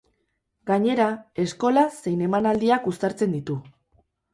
Gainera, eskola zein emanaldiak uztartzen ditu.